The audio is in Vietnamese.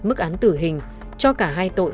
mức án tử hình cho cả hai tội